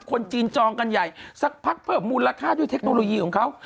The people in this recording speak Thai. คนจีนจองกันใหญ่สักพักเพิ่มมูลค่าด้วยเทคโนโลยีของเขา